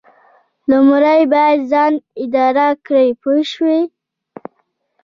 لومړی باید ځان اداره کړئ پوه شوې!.